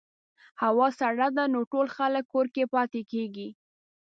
هوا سړه ده، نو ټول خلک کور کې پاتې کېږي.